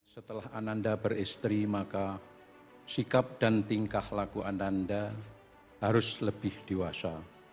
setelah ananda beristri maka sikap dan tingkah laku ananda harus lebih dewasa